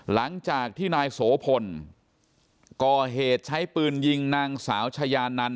หลังจากที่นายโสพลก่อเหตุใช้ปืนยิงนางสาวชายานัน